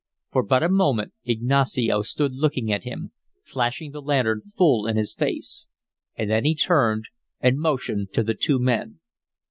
For but a moment Ignacio stood looking at him, flashing the lantern full in his face. And then he turned and motioned to the two men.